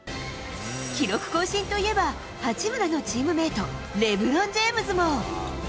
記録更新といえば、八村のチームメート、レブロン・ジェームズも。